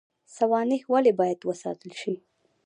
سوانح ولې باید وساتل شي؟